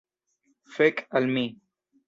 Fek' al mi